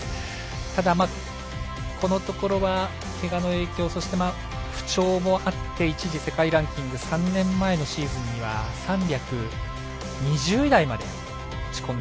ただ、このところはけがの影響そして、不調もあって一時、世界ランキング３年前のシーズンには３２０位台まで落ち込んだ。